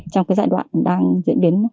trong cái giai đoạn đang diễn biến